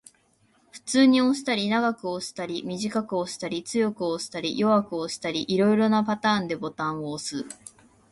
普通に押したり、長く押したり、短く押したり、強く押したり、弱く押したり、色々なパターンでボタンを押す